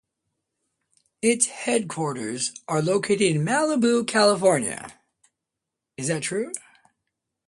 Its headquarters are located Malibu, California.